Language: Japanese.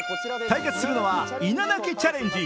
対決するのは、いななきチャレンジ